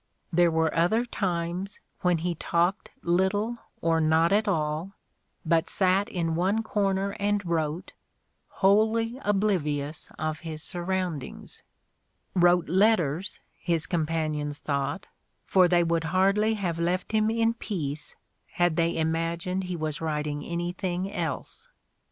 There were other times when he '' talked little or not at all, but sat in one corner and wrote, wholly oblivious of his surroundings" — wrote letters, his companions thought, for they would hardly have left him in peace had they imagined he was writing anything else.